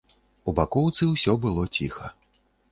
У бакоўцы ўсё было ціха.